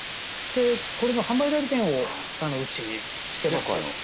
でこれの販売代理店をうちしてます。